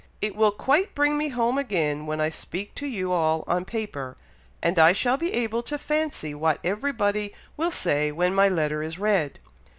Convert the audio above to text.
It will quite bring me home again when I speak to you all on paper; and I shall be able to fancy what everybody will say when my letter is read.